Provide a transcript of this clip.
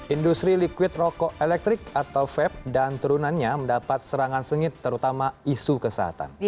industri liquid rokok elektrik atau vape dan turunannya mendapat serangan sengit terutama isu kesehatan